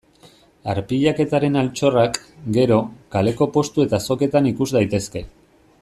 Arpilaketaren altxorrak, gero, kaleko postu eta azoketan ikus daitezke.